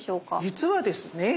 実はですね